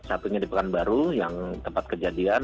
satunya di pekanbaru yang tempat kejadian